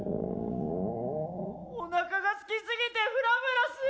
おなかがすきすぎてフラフラする。